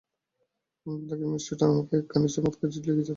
London থেকে miss Sutter আমায় একখানি চমৎকার চিঠি লিখেছেন।